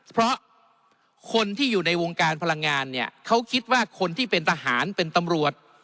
เพราะคนที่อยู่ในวงการพลังงานเนี่ยเขาคิดว่าคนที่เป็นทหารเป็นตำรวจ